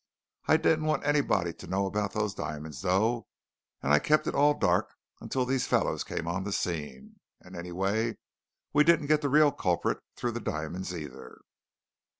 I didn't want anybody to know about those diamonds, though, and I kept it all dark until these fellows came on the scene. And, anyway, we didn't get the real culprit through the diamonds, either!"